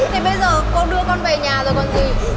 cô đưa con về nhà rồi còn gì